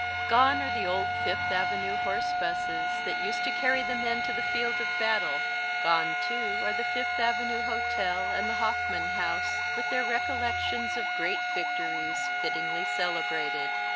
Gone are the old Fifth Avenue horse buses, that used to carry the men to the field of battle; gone, too, are the Fifth Avenue Hotel and the Hoffman House, with their recollections of great victories fittingly celebrated.